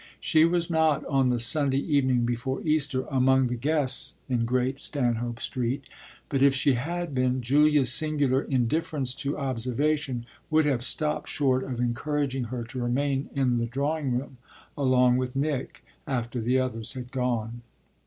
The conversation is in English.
She was not on the Sunday evening before Easter among the guests in Great Stanhope Street; but if she had been Julia's singular indifference to observation would have stopped short of encouraging her to remain in the drawing room, along with Nick, after the others had gone.